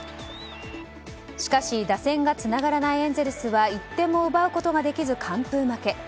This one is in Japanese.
しかし、打線がつながらないエンゼルスは１点も奪うことができず完封負け。